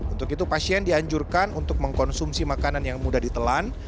untuk itu pasien dianjurkan untuk mengkonsumsi makanan yang mudah ditelan